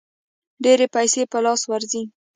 ډېرې پیسې په لاس ورځي.